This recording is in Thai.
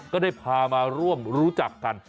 ก็ได้พามาร่วมรู้จักกัน